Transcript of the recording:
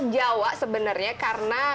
jawa sebenarnya karena